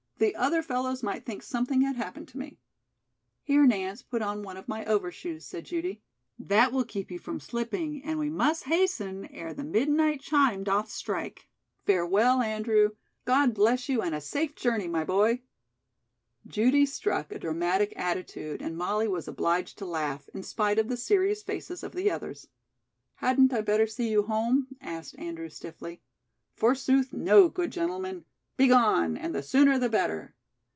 "The other fellows might think something had happened to me." "Here, Nance, put on one of my overshoes," said Judy. "That will keep you from slipping and we must hasten e'er the midnight chime doth strike. Farewell, Andrew. God bless you, and a safe journey, my boy." Judy struck a dramatic attitude and Molly was obliged to laugh, in spite of the serious faces of the others. "Hadn't I better see you home?" asked Andrew stiffly. "Forsooth, no, good gentleman. Begone, and the sooner the better."